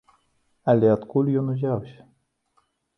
Але адкуль ён узяўся?